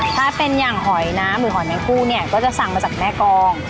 ถ้าเป็นอย่างหอยนะหมูหอยในคู่เนี่ยก็จะสั่งมาจากแม่กอง